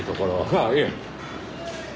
ああいえ。